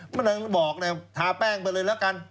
มันนั้นบอกนะทาแป้งไปเลยละกัน